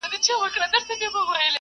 که انلاین تدریس وي نو درس نه ټکنی کیږي.